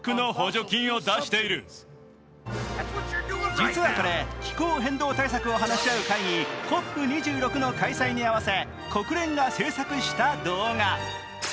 実はこれ、気候変動対策を話し合う会議、ＣＯＰ２６の開催に合わせ、国連が制作した動画。